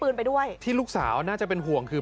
พ่อออกมามอบตัวเถอะลูกน่ะร้องไห้คุณผู้ชม